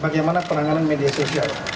bagaimana penanganan media sosial